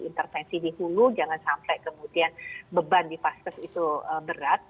intervensi di hulu jangan sampai kemudian beban di vaskes itu berat